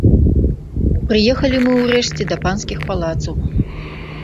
Прыехалі мы ўрэшце да панскіх палацаў.